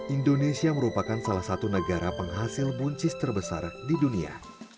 indonesia merupakan salah satu negara penghasil buncis terbesar di dunia